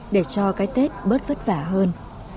để cho cái tết bớt vất vả hơn